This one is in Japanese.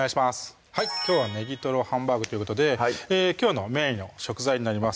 きょうは「ネギトロハンバーグ」ということできょうのメインの食材になります